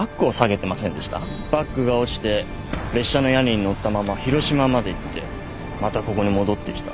バッグが落ちて列車の屋根にのったまま広島まで行ってまたここに戻ってきた。